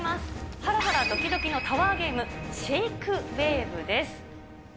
はらはらどきどきのタワーゲーム、シェイクウェーブです。